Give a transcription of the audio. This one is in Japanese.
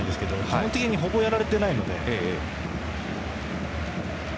基本的にほぼやられていないので。